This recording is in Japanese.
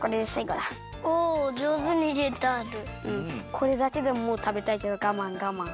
これだけでももうたべたいけどがまんがまん。